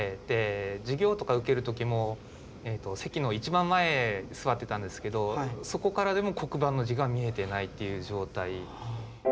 で授業とか受ける時も席の一番前座ってたんですけどそこからでも黒板の字が見えてないっていう状態。